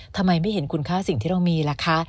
ทำไมไม่เห็นคุณค่าสิ่งที่เรามีล่ะคะ